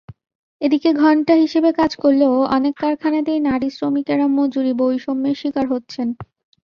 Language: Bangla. এদিকে ঘণ্টা হিসেবে কাজ করলেও অনেক কারখানাতেই নারী শ্রমিকেরা মজুরিবৈষম্যের শিকার হচ্ছেন।